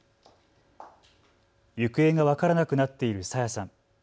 行方が分からなくなっている朝芽さん。